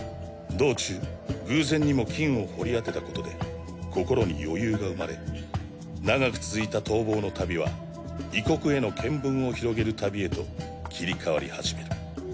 道中偶然にも金を掘り当てたことで心に余裕が生まれ長く続いた逃亡の旅は異国への見聞を広げる旅へと切り替わりはじめる。